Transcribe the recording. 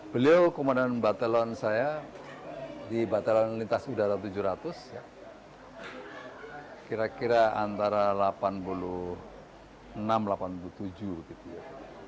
beliau komandan batelan saya di batalan lintas udara tujuh ratus ya kira kira antara delapan puluh enam delapan puluh tujuh gitu ya